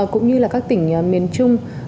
cũng như là các tỉnh miền trung